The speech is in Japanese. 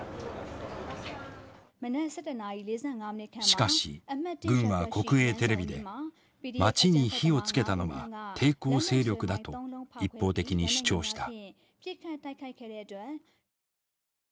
しかし軍は国営テレビで町に火をつけたのは抵抗勢力だと一方的に主張した。